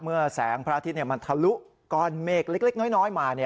แสงพระอาทิตย์มันทะลุก้อนเมฆเล็กน้อยมา